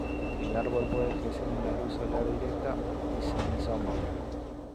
El árbol puede crecer en la luz solar directa y semi-sombra.